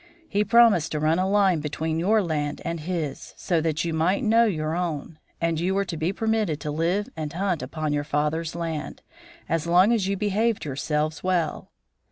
He promised to run a line between your land and his, so that you might know your own; and you were to be permitted to live and hunt upon your father's land as long as you behaved yourselves well.